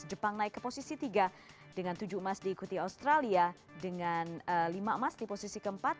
jepang naik ke posisi tiga dengan tujuh emas diikuti australia dengan lima emas di posisi keempat